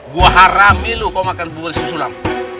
gue harami lu kok makan bubur susulam